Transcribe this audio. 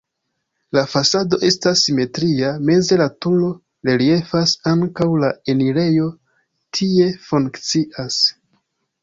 La fasado estas simetria, meze la turo reliefas, ankaŭ la enirejo tie funkcias.